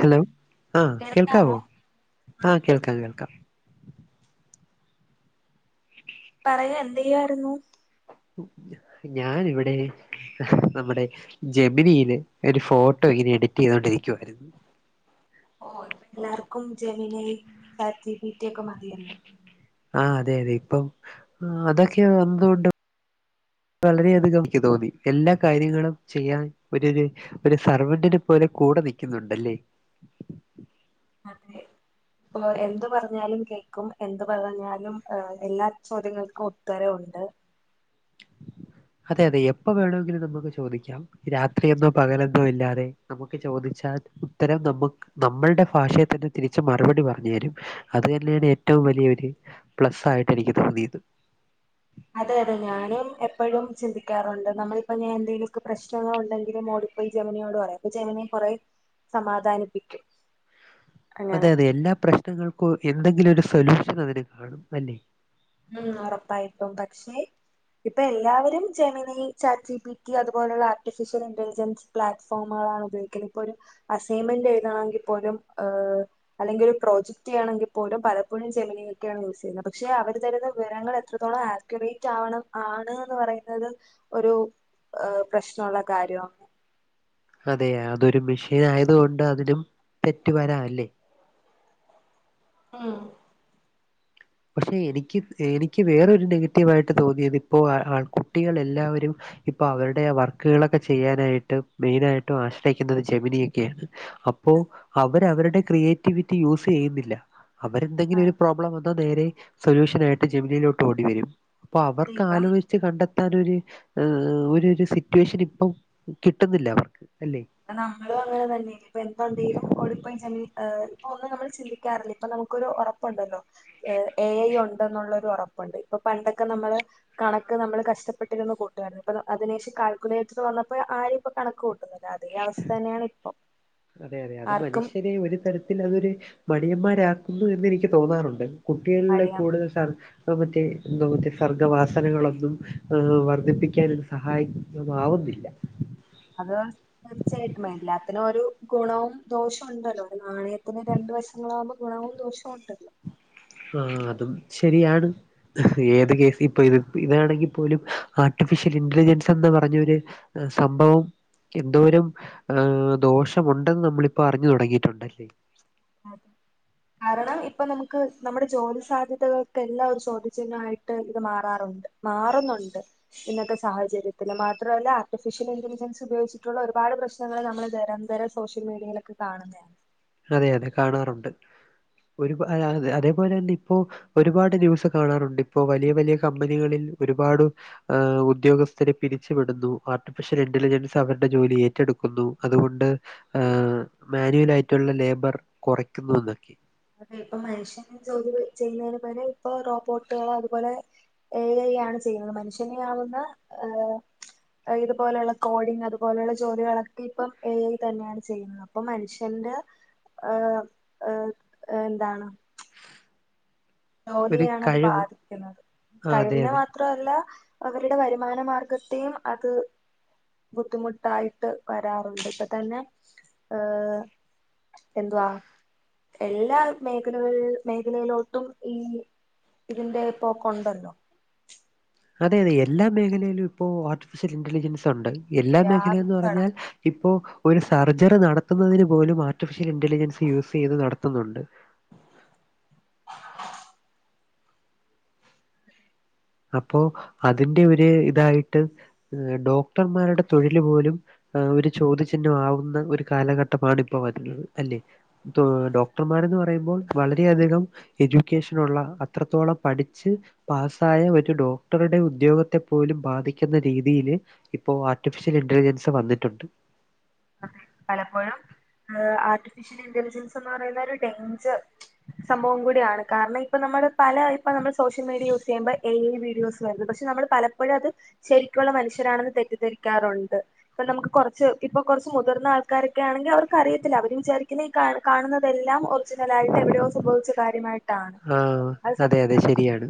Hello ആ കേൾക്കാമോ കേൾക്കാവോ ആ കേൾക്കാം കേൾക്കാം പറയ് എന്ത് ചെയ്യായിരുന്നു ഞാന് ഇവിടെ നമ്മടെ ജമിനിയില് ഒരു ഫോട്ടോ ഇങ്ങനെ എഡിറ്റ് ചെയ്തോണ്ടിരിക്കുവായിരുന്നു എല്ലാർക്കും Gemini chat G P T ഒക്ക മതിയല്ലോ ആ അതെ അതെ ഇപ്പം അതൊക്കെ വന്നതു കൊണ്ട് വളരെ അധികം ഇക്കി തോന്നി എല്ലാ കാര്യങ്ങളും ചെയ്യാൻ ഒര് ഒര് ഒരു സർവന്റിനെ പോലെ കൂടെ നിൽക്കുന്നുണ്ടല്ലേ അതെ ഇപ്പൊ എന്ത് പറഞ്ഞാലും കേൾ ക്കും എന്ത് പറഞ്ഞാലും ഹ് എല്ലാ ചോദ്യങ്ങൾക്കും ഉത്തരമുണ്ട് അതെ അതെ എപ്പോ വേണമെങ്കിലും നമുക്ക് ചോദിക്കാം രാത്രിയെന്നോ പകലെന്നോ ഇല്ലാതെ നമുക്ക് ചോദിച്ചാൽ ഉത്തരം നമുക്ക് നമ്മളുടെ ഭാഷയിൽ തന്നെ തിരിച്ച് മറുപടി പറഞ്ഞു തരും അത് തന്നെയാണ് ഏറ്റവും വലിയൊരു പ്ലസ് ആയിട്ട് എനിക്ക് തോന്നിയത് അതെ അതെ ഞാനും എപ്പോഴും ചിന്തിക്കാറുണ്ട് നമ്മളിപ്പ ഞാൻ എന്തെങ്കിലുമൊക്കെ പ്രശ്നങ്ങൾ ഉണ്ടെങ്കിലും ഓടി പോയി ജമനിയോട് പറയും അപ്പൊ ജമനി കൊറെ സമാധാനിപ്പിക്കും അങ്ങനെ അതെ അതെ എല്ലാ പ്രശ്നങ്ങൾക്കും എന്തെങ്കിലും ഒരു സൊല്യൂഷൻ അതിന് കാണും അല്ലേ ഉം ഒറപ്പായിട്ടും പക്ഷേ ഇപ്പൊ എല്ലാവരും ജെമനി ചാറ്റ്ജിപിറ്റി അതുപോലുള്ള ആർട്ടിഫിഷ്യൽ ഇന്റലിജൻസ് പ്ലാറ്റ്ഫോമുകളാണ് ഉപയോഗിക്കുന്നത് ഇപ്പോ ഒരു അസൈൻമെന്റ് എഴുണെങ്കിൽ പോലും ഹ് അല്ലെങ്കിൽ ഒരു പ്രോജക്റ്റ് ചെയ്യണെങ്കിൽ പോലും പലപ്പോഴും ജമനിയൊക്കെയാണ് യൂസ് ചെയ്യുന്നത് പക്ഷെ അവ ര് തരുന്ന വിവരങ്ങൾ എത്രത്തോളം ആക്യുറേറ്റ് ആവണം ആണ്ന്ന് പറയുന്നത് ഒരു ആഹ് പ്രശ്നള്ള കാര്യവ അതെ അതൊരു മെഷീൻ ആയതുകൊണ്ട് അതിനും തെറ്റ് വരാല്ലേ മ് പക്ഷെ എനിക്ക് എനിക്ക് വേറൊരു നെഗറ്റീവ് ആയിട്ട് തോന്നിയത് ഇപ്പോൾ ആൾ കുട്ടികൾ എല്ലാവരും ഇപ്പൊ അവരുടെ ആ വർക്കുകളൊക്കെ ചെയ്യാനായിട്ട് മെയിനായിട്ടും ആശ്രയിക്കുന്നത് ജമിനിയൊക്കെയാണ് അപ്പോ അതെ അവരവരുടെ ക്രിയേറ്റിവിറ്റി യൂസ് ചെയ്യുന്നില്ല അവരെന്തെങ്കിലും ഒരു ആഹ് പ്രോബ്ലം വ ന്നാ നേരേ സൊല്യൂഷൻ ആയിട്ട് ജമിനിലോട്ട് ഓടി വരും അപ്പൊ അതെ അവർക്ക് ഇപ്പം ആലോചി ച്ച് കണ്ടെത്താൻ ഒരു ഒരു ഒരു സിറ്റുവേഷൻ ഇപ്പം കിട്ടുന്നില്ല അവർക്ക് അല്ലേ? അപ്പ നമ്മളും അങ്ങനെ തന്നെ ഇപ്പൊ എന്തൊണ്ടെലും ഓടിപ്പോയി ജമിനി ഇപ്പൊ ഒന്നും നമ്മൾ ചിന്തിക്കാറില്ല ഇപ്പൊ നമുക്കൊരു ഒറപ്പുണ്ടല്ലോ എ ഐ ഉണ്ടെന്നുള്ളൊരു ഉറപ്പുണ്ട് ഇപ്പൊ പണ്ടൊക്കെ നമ്മള് കണക്ക് നമ്മള് കഷ്ടപ്പെട്ടിരുന്നു കൂട്ടുമായിരുന്നു ഇപ്പ അതിന് ശേഷം കാൽക്കുലേറ്റർ വന്നപ്പോ ആരും ഇപ്പൊ കണക്ക് കൂട്ടുന്നില്ല അതേ അവസ്ഥ തന്നെയാണ് ഇപ്പോ അതെ അതെ അത് മനുഷ്യനെ ഒരു തരത്തിൽ അതൊരു മടിയന്മാരാക്കുന്നു എന്ന് എനിക്ക് തോന്നാറുണ്ട് കുട്ടികളിലെ മടിയാണ് കൂടുതൽ സാ മറ്റേ എന്തോ മറ്റേ സർഗ്ഗവാസനകളൊന്നും വർധിപ്പിക്കാൻ ഇത് സഹായി ആവുന്നില്ല അത് തീർച്ചയായിട്ടും എല്ലാത്തിനും ഒരു ഗുണവും ദോഷോം ഉണ്ടല്ലോ ഒരു നാണയത്തിന് രണ്ടു വശങ്ങളാകുമ്പോൾ ഗുണവും ദോഷവും ഹോട്ടലോ ആഹ് അതും ശരിയാണ് ഏത് കേസ് ഇപ്പൊ ഇത് ഇതാണെങ്കിൽ പോലും ആർട്ടിഫിഷ്യൽ ഇന്റലിജൻസ് എന്ന് പറഞ്ഞൊരു സംഭവം എന്തോരം ഏ ദോഷമുണ്ടെന്ന് നമ്മളിപ്പം അറിഞ് തൊടങ്ങിയിട്ടുണ്ടല്ലേ [inaudible] കാരണം ഇപ്പ നമുക്ക് നമ്മുടെ ജോലി സാധ്യതകൾക്കെല്ലാം ഒരു ചോദ്യചിഹ്നായിട്ട് ഇത് മാറാറുണ്ട് മാറുന്നൊണ്ട് ഇന്നത്തെ സാഹചര്യത്തില് മാത്രമല്ല ആർട്ടിഫിഷ്യൽ ഇന്റലിജൻസ് ഉപയോഗിച്ചിട്ടുള്ള ഒരുപാട് പ്രശ്നങ്ങള് നമ്മള് നിരന്തരം സോഷ്യൽ മീഡിയയിലൊക്കെ കാണുന്നെയാ അതെ അതെ കാണാറുണ്ട് ഒരുപ അതേപോലെ തന്നെ ഇപ്പോ ഒരുപാട് ന്യൂസ് കാണാറുണ്ട് ഇപ്പോ വലിയ വലിയ കമ്പനികളിൽ ഒരുപാട് ആഹ് ഉദ്യോഗസ്ഥരെ പിരിച്ച് വിടുന്നു ആർട്ടിഫിഷ്യൽ ഇന്റലിജൻസ് അവര്ടെ ജോലി ഏറ്റെടുക്കുന്നു അതുകൊണ്ട് ഏഹ് മേനുവലായിട്ടുള്ള ലേബർ കൊറയ്ക്കുന്നു എന്നൊക്കെ അതെ ഇപ്പൊ മനുഷ്യന് ജോലി ചെയ്യുന്നതിന് പോലെ ഇപ്പൊ റോബോട്ടുകളോ അതുപോലെ എ ഐ യാണ് ചെയ്യുന്നത് മനുഷ്യനെയാവുന്ന ഏഹ് ഏഹ് ഇതുപോലെള്ള കോഡിങ് അതുപോലെയുള്ള ജോലികളൊക്കെ ഇപ്പം എ ഐ തന്നെയാണ് ചെയ്യുന്നത് അപ്പൊ മനുഷ്യന്റെ ഏഹ് ഏഹ് ഏഹ് എന്താണ് ഒരു ജോലിയെയാണ് അത് കഴിവ് ബാധിക്കുന്നത് ആ, അതെ കഴിവിനെ അതെ മാ ത്രല്ല അവരുടെ വരുമാന മാർഗത്തെയും അത് ബുദ്ധിമുട്ടായിട്ട് വരാറുണ്ട് ഇപ്പ തന്നെ ഏഹ് എന്തുവാ എല്ലാ മേഖലകൾ മേഖലയിലോട്ടും ഈ ഇതിന്റെ പ്പോ കൊണ്ടല്ലോ അതെ അതെ എല്ലാ മേഖലയിലും ഇപ്പോ ആർട്ടിഫിഷ്യൽ ഇന്റലിജൻസ് ഉണ്ട് എല്ലാ മേഖലയെന്ന് വ്യാപിച്ച് പറഞ്ഞാൽ കിടക്കുന്നത് ഇപ്പോ ഒരു സർജറി നടത്തുന്നതിന് പോലും ആ ർട്ടിഫിഷ്യൽ ഇന്റലിജൻസ് യൂസ് ചെയ്ത് നടത്തുന്നുണ്ട് അപ്പോ അതിന്റെ ഒരു ഇതായിട്ട് ഡോക്ടർമാരുടെ തൊഴില് പോലും ആഹ് ഒരു ചോദ്യചിഹ്നമാവുന്ന ഒരു കാലഘട്ടമാണ് ഇപ്പോ വരുന്നത് അല്ലെ ത്തോ ഡോക്ടർമാരെന്ന് പറയുമ്പോൾ വളരെയധികം എചുക്കേഷനുള്ള അത്രത്തോളം പഠിച്ച് പാസ് സായ ഒരു ഡോക്ടറുടെ ഉദ്യോഗത്തെ പോലും ബാധിക്കുന്ന രീതിയില് ഇപ്പോ ആർട്ടിഫിഷ്യൽ ഇന്റലിജൻസ് വന്നിട്ടുണ്ട് അതെ പലപ്പോഴും ഏഹ് ആർട്ടിഫിഷ്യൽ ഇന്റലിജൻസ് ന്ന് പറയുന്ന ഒരു ഡെയ്ഞ്ചർ സംഭവം കൂടിയാണ് കാരണം ഇപ്പ നമ്മള് പല ഇപ്പ നമ്മൾ സോഷ്യൽ മീഡിയ യൂസ് ചെയ്യുമ്പോൾ എ ഐ വീഡിയോസ് വരുന്നു പക്ഷെ നമ്മള് പലപ്പഴും അത് ശരിക്കുള്ള മനുഷ്യരാണെന്ന് തെറ്റിദ്ധരിക്കാറുണ്ട് ഇപ്പൊ നമുക്ക് കൊറച്ച് ഇപ്പ കൊറ്ച്ച് മുതിർന്ന ആൾക്കാരൊക്കെ ആണെങ്കിൽ അവർക്ക് അറിയത്തില്ല അവർ വിചാരിക്കുന്നെ ഈ കാണുന്നതെല്ലാം ഒർ ജ്നലായിട്ട് എവിടെയോ സംഭവിച്ച കാര്യമായിട്ടാണ് ആ അത് സത് അതെ അതെ ശരിയാണ്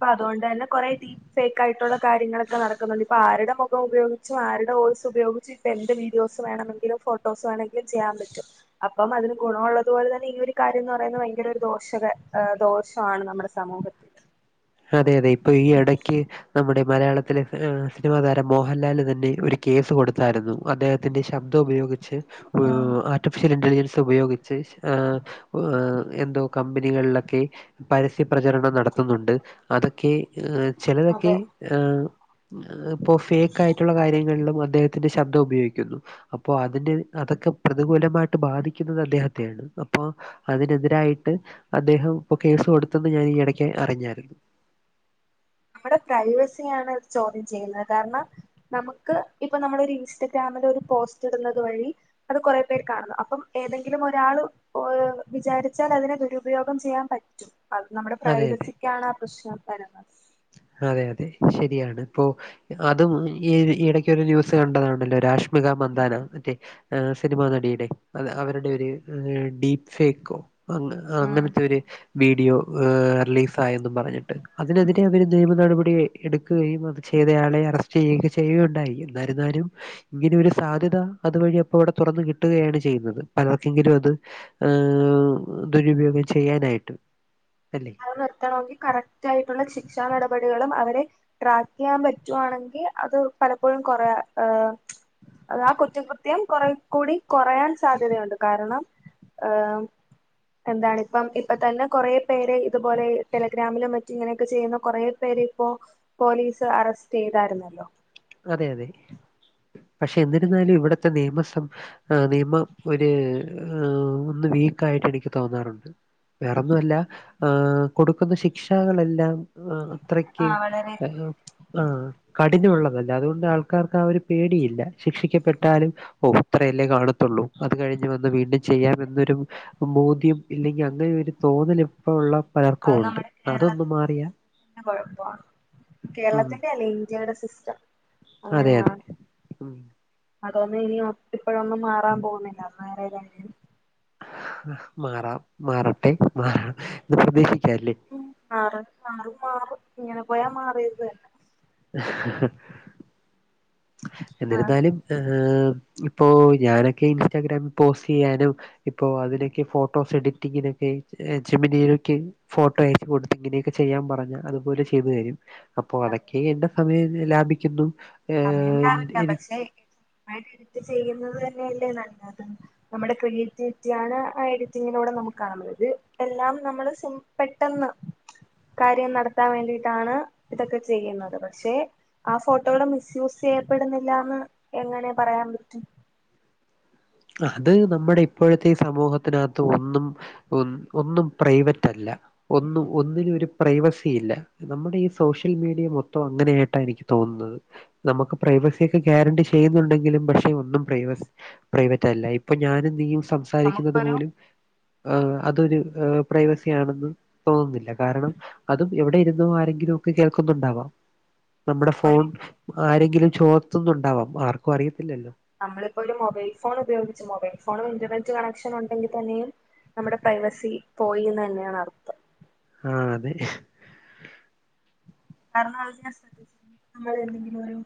പ്പ അതോണ്ടെന്നെ കൊറേ ടീ ഫേക്കായിട്ടുള്ള കാര്യങ്ങളൊക്കെ നടക്കുന്നുണ്ട് ഇപ്പൊ ആരുടെ മുഖം ഉപയോഗിച്ചും ആരുടെ വോയ്സ് ഉപയോഗിച്ചും ഇപ്പ എന്റെ വീഡിയോസ് വേണമെങ്കിലും ഫോട്ടോസ് വേണെങ്കിലും ചെയ്യാൻ പറ്റും അപ്പം അതിന് ഗുണവൊള്ളതുപോലെ തന്നെ ഈ ഒര് കാര്യംന്ന് പറയുന്നെ ഭയങ്കര ഒരു ദോഷക ദോഷാണ് നമ്മുടെ സമൂഹ അതെ അതെ ഇപ്പൊ ഈ എടയ്ക്ക് നമ്മുടെ മലയാള ത്തിലെ ഏഹ് സിനിമാ താരം മോഹൻലാല് തന്നെ ഒരു കേസ് കൊടുത്തായിരുന്നു അദ്ദേഹത്തിന്റെ ശബ്ദം ഉപയോഗിച്ച് ഏഹ് ആർട്ടിഫിഷ്യൽ ഇന്റലിജൻ സ് ഉപയോഗിച്ച് ഏഹ് ഏഹ് എന്തോ കമ്പനികളിലൊക്കെ പരസ്യ പ്രചരണം നടത്തുന്നുണ്ട് അതൊക്കെ ഏഹ് ചെലതൊക്കെ അതെ, ഏഹ് ഏഹ് പ്പോ ഫേക്ക് ആയിട്ടുള്ള കാര്യങ്ങളിലും അദ്ദേഹത്തിന്റെ ശബ്ദം ഉപയോഗിക്കുന്നു അപ്പൊ അതിന്റെ അതൊക്കെ പ്രതികൂലമായിട്ട് ബാധിക്കുന്നത് അദ്ദേഹത്തെയാണ് അപ്പൊ അതിനെതിരായിട്ട് അദ്ദേഹം പ്പൊ കേസ് കൊടുത്തെന്ന് ഞാൻ ഈ എടക്ക് അറിഞ്ഞായിരുന്നു നമ്മടെ പ്രൈവസിയാണ് ചോദ്യം ചെയ്യുന്നത് കാരണം നമുക്ക് ഇപ്പൊ നമ്മളൊരു ഇൻസ്റ്റഗ്രാമില് ഒരു പോസ്റ്റ് ഇടുന്നത് വഴി അത് കൊറെ പേര് കാണുന്നു അപ്പം ഏതെങ്കിലും ഒരാള് പ്പോയ് വിചാരിച്ചാൽ അതിനെ ദുരുപയോഗം ചെയ്യാൻ പറ്റും അത് നമ്മുടെ അതെ അതെ പ്രൈവസിക്കാണ് ആ പ്രശ്നം വരുന്നത്‌ അതെ അതെ ശരിയാണ് ഇപ്പോ അതും ഈ ഇടക്കൊരു ന്യൂസ് കണ്ടതാണല്ലോ രാഷ്മിക മന്ദാര മറ്റേ ഏഹ് സിനിമാ നടിയുടെ അതെ അവരുടെ ഒര് ഏഹ് ഡീപ് ഫേക്കോ അൻ ആഹ് ഉം അങ്ങനത്തെ ഒരു വീഡിയോ ഏഹ് റിലീസ് ത എന്നും പറഞ്ഞിട്ട് അതിനെതിരെ അവര് നിയമ നടപടി എടുക്കുകയും അത് ചെയ്തയാളെ അറസ്റ്റ് ചെയ്യുകക്കെ ചെയ്യുകയുണ്ടായി എന്നായിരുന്നാലും ഇങ്ങനെ ഒരു സാധ്യത അത് വഴി അപ്പോ അവിടെ തുറന്ന് കിട്ടുകയാണ് ചെയ്യുന്നത് പലർക്കെങ്കിലും അത് ഏഹ് ദുരുപയോഗം ചെയ്യാനായിട്ട് അല്ലെ അത് നിർത്തണമെങ്കിൽ കറക്റ്റ് ആയിട്ടുള്ള ശിക്ഷാ നടപടികളും അവരെ ട്രാക്കെയാൻ പറ്റുവാണെങ്കി അത് പലപ്പോഴും കൊറേ ഏഹ് അത് ആ കുറ്റകൃത്യം കൊറേ കൂടി കൊറയാൻ സാധ്യതയുണ്ട് കാരണം ഏഹ് എന്താണ് ഇപ്പം ഇപ്പൊ തന്നെ കൊറേ പേരെ ഇതുപോലെ ടെലഗ്രാമിലും മറ്റും ഇങ്ങനെയൊക്കെ ചെയ്യുന്ന കുറേ പേര് ഇപ്പോ പോലീസ് അറസ്റ്റ് ചെയ്തായിര്ന്നല്ലോ അതെ അതെ പക്ഷെ എന്നിരുന്നാലും ഇവിടത്തെ നിയമ സം ആഹ് നിയമം ഒരു ഓ ഒന്ന് വീക്ക് ആയിട്ട് എനിക്ക് തോന്നാറുണ്ട് വേറൊന്നു അല്ല ആഹ് കൊടുക്കുന്ന ശിക്ഷകളെല്ലാം ആഹ് അത്രയ്ക്ക് ആഹ് വളരെ ആഹ് കഠിനമുള്ളതല്ല അല്ല അതുകൊണ്ട് ആൾക്കാർക്ക് ആ ഒരു പേടിയില്ല ശിക്ഷിക്കപ്പെട്ടാലും ഓഹ് അത്രയല്ലേ കാണു ത്തൊള്ളൂ അത് കഴിഞ്ഞ് വന്ന് വീണ്ടും ചെയ്യാം എന്നൊരു ബോധ്യം ഇല്ലെങ്കിൽ അങ്ങനെ ഒരു തോന്നലും ഇപ്പ ഉള്ള പലർക്കും ഉണ്ട് അതൊന്ന് മാറിയാ [unintelligible] കൊഴപ്പൊവാണ് ഉം കേരളത്തിന്റെ അല്ലെ ഇന്ത്യയുടെ സിസ്റ്റം അതെ അതെ അങ്ങനെയാണ്. ഉം അതൊന്നും ഇനി ഒ ഇപ്പോഴൊന്നും മാറാൻ പോകുന്നില്ല അന്ന് വേറെ കാര്യം മാറാം മാറട്ടെ മാറാം എന്ന് പ്രതീക്ഷിക്കാല്ലേ? ഉം മാറ മാറും മാറും ഇങ്ങനെ പോയാ മാറിയതു തന്നെ ആഹ് എന്നിരുന്നാലും ഏഹ് ഇപ്പോ ഞാനൊക്കെ ഇൻസ്റ്റാഗ്രാമിൽ പോസ്റ്റ് ചെയ്യാനും ഇപ്പോ അതിലൊക്കെ ഫോട്ടോസ് എഡിറ്റിങ്ങിനൊക്കെ എഹ് ജെമിനിയിലൊക്കെ ഫോട്ടോ അയച്ച് കൊടുത്ത് ഇങ്ങനെയൊക്കെ ചെയ്യാൻ പറഞ്ഞ അതുപോലെ ചെയ്തു തരും അപ്പൊ അതെ അതൊക്കെ എന്റെ സം മയങ്ങനെ ലാഭിക്കുന്നു സമയം ലാവിക്കാം എനിക്ക് പക്ഷെ [unintelligible] മായിട്ട് എഡിറ്റ് ചെയ്യുന്നത് തന്നെയല്ലേ നല്ലത് നമ്മുടെ ക്രിയേറ്റിവിറ്റിയാണ് ആ എഡിറ്റിങ്ങിലൂടെ നമുക്ക് കാണുന്നത് ഇത് എല്ലാം നമ്മള് സിം പെട്ടന്ന് കാര്യം നടത്താൻ വേണ്ടിയിട്ടാണ് ഇതൊക്കെ ചെയ്യുന്നത് പക്ഷെ ആ ഫോട്ടോയുടെ മി സ്യൂസ് ചെയ്യപ്പെടുന്നില്ലാന്ന് എങ്ങനെ പറയാൻ പറ്റും? അത് നമ്മുടെ ഇപ്പോഴത്തെ ഈ സമൂഹത്തിനാത്ത് ഒന്നും ഒൻ ഒന്നും പ്രൈവറ്റ് അല്ല ഒന്നും ഒന്നിനും ഒരു പ്രൈവസി ഇല്ല നമ്മുടെ ഈ സോഷ്യൽ മീഡിയ മൊത്തം അങ്ങനെ ആയിട്ടാ എനിക്ക് തോന്നുന്നത്. നമുക്ക് പ്രൈവസിയൊക്കെ ഗ്യാരണ്ടി ചെയ്യുന്നുണ്ടെങ്കിലും പക്ഷെ ഒന്നും പ്രൈവസി പ്രൈവറ്റ് അല്ല ഇപ്പൊ ഞാനും നീയും സംസാരിക്കുന്നത് നമുക്കൊരു പോലും ആഹ് അതൊരു ഏഹ് പ്രൈവസി ആണെന്ന് തോന്നുന്നില്ല കാരണം അതും എവിടെ ഇരുന്നും ആരെങ്കിലും ഒക്കെ കേൾക്കുന്നുണ്ടാവാം. നമ്മുടെ ഒരു ഫോൺ ആരെങ്കിലും ചോർത്തുന്നുണ്ടാവാം ആർക്കും അറിയത്തില്ലല്ലോ നമ്മളിപ്പോ ഒരു മൊബൈൽ ഫോൺ ഉപയോഗിച്ച് മൊബൈൽ ഫോണും ഇന്റർനെറ്റ് കണക്ഷൻ ഉണ്ടെങ്കിൽ തന്നെയും നമ്മുടെ പ്രൈവസി പോയീന്ന് തന്നെയാണ് അർത്ഥം ആഹ് അതെ [unintelligible] നമ്മൾ എന്തെങ്കിലും ഒരു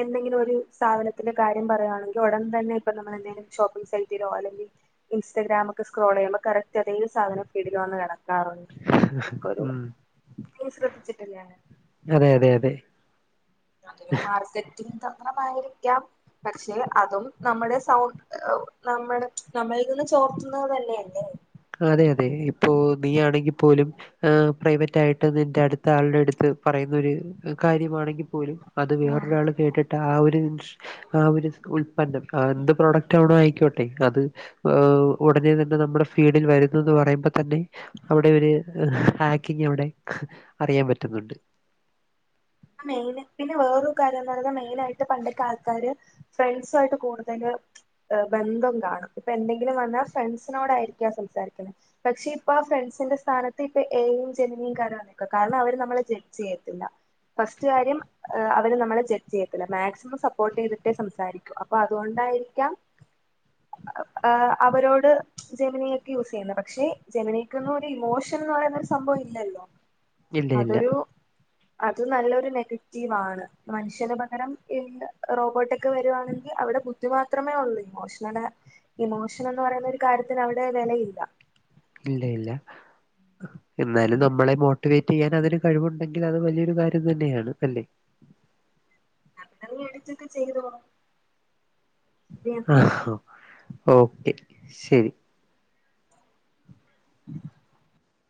എന്തെങ്കിലും ഒരു സാധനത്തിന്റെ കാര്യം പറയുകയാണെങ്കിൽ ഉടൻ തന്നെ ഇപ്പ നമ്മൾ എന്തേലും ഷോപ്പിംഗ് സൈറ്റിലോ അല്ലെങ്കിൽ ഇൻസ്റ്റഗ്രാമൊക്കെ സ്ക്രോൾ ചെയ്യുമ്പോ കറക്റ്റ് അതേ സാധനം ഫീഡിൽ വന്ന് കിടക്കാറുണ്ട് അതൊക്കെ ഒരു ഉം നീ ശ്രദ്ധിച്ചിട്ടില്ലാ അതെ അതെ അതെ അതൊരു മാർക്കറ്റിംഗ് തന്ത്രമായിരിക്കാം പക്ഷെ അതും നമ്മുടെ സൗണ്ട് നമ്മള് നമ്മളിൽ നിന്ന് ചോർത്തുന്നത് തന്നെയല്ലേ അതെ അതെ ഇപ്പോ നീ ആണെങ്കിൽ പോലും ആഹ് പ്രൈവറ്റായിട്ട് നിന്റെ അടുത്ത് ആളുടെ അടുത്ത് പറയുന്നൊരു കാര്യമാണെങ്കിൽ പോലും അത് വേറൊരാള് കേട്ടിട്ട് ആ ഒരു ആഹ് ഒരു ഉൽപന്നം അത് എന്ത് പ്രോഡക്റ്റ് ആവണോ ആയിക്കോട്ടെ അത് ഉടനെ തന്നെ നമ്മുടെ ഫീഡിൽ വരുന്നൂന്ന് പറയുമ്പോ തന്നെ അവിടെ ഒരു ഹാക്കിങ് അവിടെ അറിയാൻ പറ്റുന്നുണ്ട് മെയിനായിട്ട് പിന്നെ വേറൊരു കാര്യവെന്ന് പറയുന്നത് മെയിനായിട്ട് പണ്ടത്തെ ആൾക്കാര് ആൾക്കാാര് ഫ്രണ്ട്സും ആയിട്ട് കൂടുതല് ബന്ധം കാണും ഇപ്പൊ എന്തെങ്കിലും വന്നാൽ ഫ്രണ്ട്സിനോടായിരിക്കാം സംസാരിക്കണെ പക്ഷെ ഇപ്പൊ ആ ഫ്രണ്ട്സിന്റെ സ്ഥാനത്ത് ഇപ്പൊ എ ഐയും ജമനീയും കേറി വന്നേക്കുക കാരണം അവര് നമ്മളെ ജഡ്ജ് ചെയ്യത്തില്ല ഫസ്റ്റ് കാര്യം അവര് നമ്മളെ ജഡ്ജ് ചെയ്യത്തില്ല മാക്സിമം സപ്പോർട്ട് ചെയ്തിട്ടേ സംസാരിക്കു അപ്പൊ അതുകൊണ്ടായിരിക്കാം ഏ അവരോട് ജമിനിയൊക്കെ യൂസ് ചെയ്യുന്നെ പക്ഷെ ജമിനിക്കൊന്നും ഒരു ഇമോഷൻ എന്ന് പറയുന്നൊരു സംഭവം ഇല്ലല്ലോ ഇല്ല ഇല്ല അതൊരു അത് നല്ലൊരു നെഗറ്റീവ് ആണ് മനുഷ്യന് പകരം എ ഐ റോബോട്ടൊക്കെ വരുവാണെങ്കിൽ അവിടെ ബു ദ്ധി മാത്രമേ ഉള്ളൂ ഇമോഷന് ഇമോഷൻ എന്ന് പറയുന്ന ഒരു കാര്യത്തിന് അവിടെ വിലയില്ല ഇല്ല ഇല്ല എന്നാലും നമ്മളെ മോ ട്ടിവേറ്റ് ചെയ്യാൻ അതിന് കഴിവുണ്ടെങ്കിൽ അത് വലിയൊരു കാര്യം തന്നെയാണ് അല്ലേ എന്നാ നീ അടച്ചിട്ട് ചെയ്തോ ആഹ് ഓക്കെ ശരി